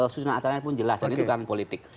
susunan acaranya pun jelas dan itu kan politik